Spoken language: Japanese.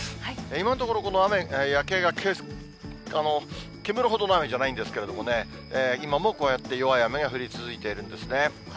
今のところ、この雨、夜景が煙るほどの雨じゃないんですけれどもね、今もこうやって弱い雨が降り続いているんですね。